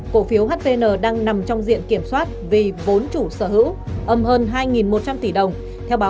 có trong hai mươi bốn giờ qua